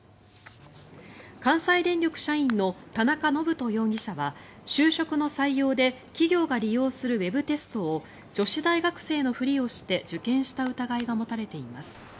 関西電力社員の田中信人容疑者は就職の採用で企業が利用するウェブテストを女子大学生のふりをして受験した疑いが持たれています。